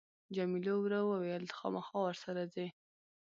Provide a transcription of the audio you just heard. جميله ورو وویل ته خامخا ورسره ځې.